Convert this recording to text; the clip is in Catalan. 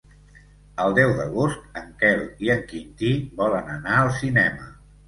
El deu d'agost en Quel i en Quintí volen anar al cinema.